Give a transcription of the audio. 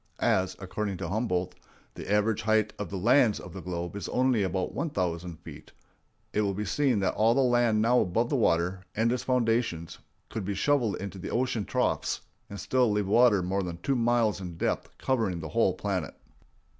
As, according to Humboldt, the average height of the lands of the globe is only about one thousand feet, it will be seen that all the land now above the water, and its foundations, could be shoveled into the ocean troughs and still leave water more than two miles in depth covering the whole planet.